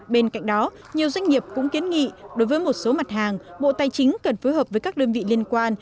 bên cạnh đó nhiều doanh nghiệp cũng kiến nghị đối với một số mặt hàng bộ tài chính cần phối hợp với các đơn vị liên quan